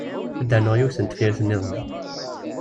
Ad d-rnuɣ yiwet n tefyirt-nniḍen.